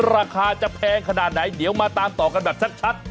ราคาจะแพงขนาดไหนเดี๋ยวมาตามต่อกันแบบชัด